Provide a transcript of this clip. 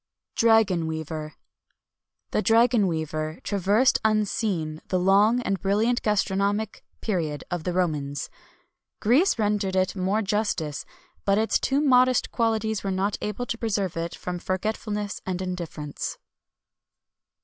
DRAGON WEAVER. The dragon weaver traversed unseen the long and brilliant gastronomic period of the Romans. Greece rendered it more justice;[XXI 193] but its too modest qualities were not able to preserve it from forgetfulness and indifference.